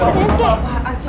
gak mau gue ngapain sih